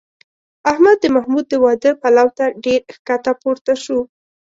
احمد د محمود د واده پلو ته ډېر ښکته پورته شو.